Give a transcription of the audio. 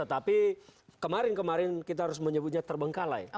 tapi kemarin kemarin kita harus menyebutnya terbengkalai